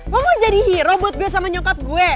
lo mau jadi hero buat gue sama nyokap gue